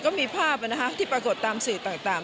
ก็มีภาพที่ปรากฏตามสื่อต่าง